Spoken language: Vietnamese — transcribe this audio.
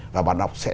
và bản đọc sẽ